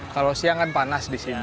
kalau siang kan panas disini